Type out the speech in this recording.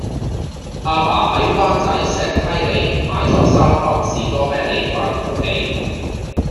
亞爸喺灣仔石溪里買左三磅士多啤梨返屋企